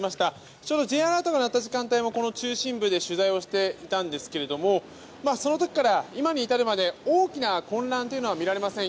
ちょうどＪアラートが鳴った時間帯もこの中心部で取材をしていたんですがその時から今に至るまで大きな混乱というのは見られません。